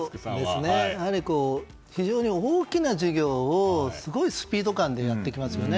やはり非常に大きな事業をすごいスピード感でやってきますよね。